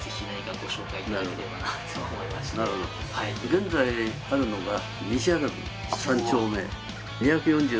現在あるのが西麻布３丁目。